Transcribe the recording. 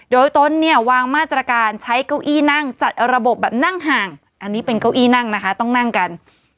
โดยตนเนี่ยวางมาตรการใช้เก้าอี้นั่งจัดระบบแบบนั่งห่างอันนี้เป็นเก้าอี้นั่งนะคะต้องนั่งกัน